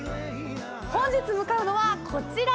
本日向かうのはこちら。